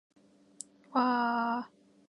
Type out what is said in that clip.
わーーーーーーーー